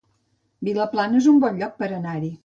Vilaplana es un bon lloc per anar-hi